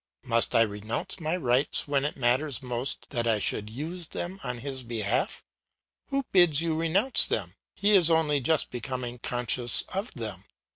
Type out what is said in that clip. Must I renounce my rights when it matters most that I should use them on his behalf? Who bids you renounce them; he is only just becoming conscious of them.